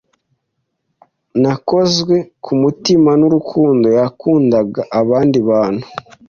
Nakozwe ku mutima n'urukundo yakundaga abandi bantu.